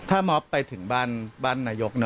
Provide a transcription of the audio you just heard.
ถ้ามอเตอร์ไปถึงบ้านนายก